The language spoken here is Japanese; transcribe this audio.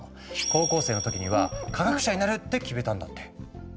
高校生の時には「科学者になる！」って決めたんだって。